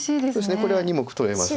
これは２目取れますので。